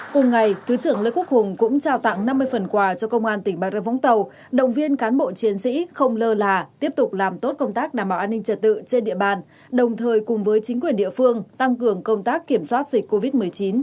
cùng ngày thứ trưởng lê quốc hùng cũng trao tặng năm mươi phần quà cho công an tỉnh bà rơ vũng tàu động viên cán bộ chiến sĩ không lơ là tiếp tục làm tốt công tác đảm bảo an ninh trật tự trên địa bàn đồng thời cùng với chính quyền địa phương tăng cường công tác kiểm soát dịch covid một mươi chín